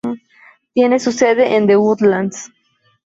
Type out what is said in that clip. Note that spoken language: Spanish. Tiene su sede en The Woodlands.